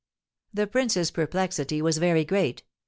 The prince's perplexity was very great.